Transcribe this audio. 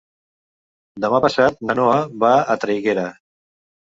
Demà passat na Noa va a Traiguera.